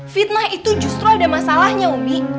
fitnah itu justru ada masalahnya umi